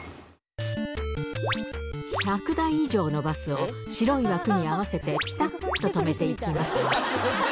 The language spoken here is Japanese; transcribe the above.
１００台以上のバスを、白い枠に合わせて、ぴたっと止めていきます。